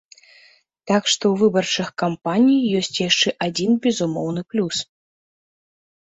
Так што ў выбарчых кампаній ёсць яшчэ адзін безумоўны плюс.